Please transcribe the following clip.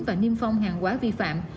và niêm phong hàng quá vi phạm